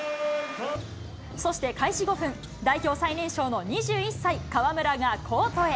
そして、開始５分、代表最年少の２１歳、河村がコートへ。